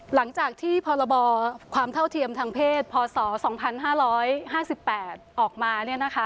หลังจากที่พรบความเท่าเทียมทางเพศพศ๒๕๕๘ออกมา